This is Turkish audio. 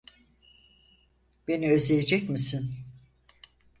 Beni özleyecek misin?